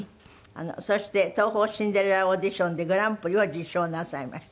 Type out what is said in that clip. そして「東宝シンデレラ」オーディションでグランプリを受賞なさいました。